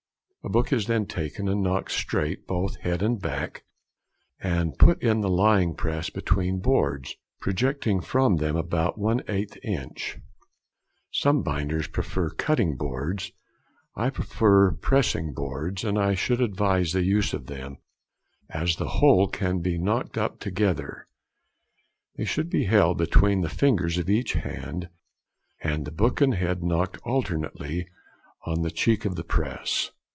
A book is then taken and knocked straight both head and back and put in the lying press between boards, projecting from them about 1/8 inch; some binders prefer cutting boards, I prefer pressing boards, and I should advise the use of them, as the whole can be knocked up together. They should be held between the fingers of each hand, and the back and head knocked alternately on the cheek of the press.